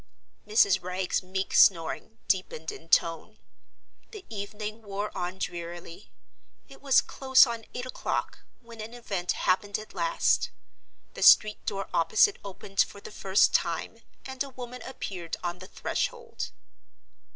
Mrs. Wragge's meek snoring deepened in tone; the evening wore on drearily; it was close on eight o'clock—when an event happened at last. The street door opposite opened for the first time, and a woman appeared on the threshold.